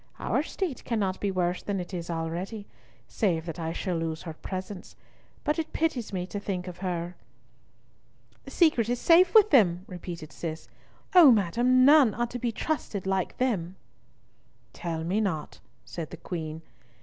Our state cannot be worse than it is already, save that I shall lose her presence, but it pities me to think of her." "The secret is safe with them," repeated Cis. "O madam, none are to be trusted like them." "Tell me not," said the Queen.